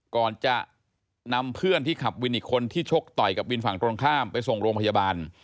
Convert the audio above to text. ก่อนจะนำเพื่อนที่ขับวินอีกคนที่ชกต่อยกับวินฝั่งตรงข้ามไปส่งโรงพยาบาล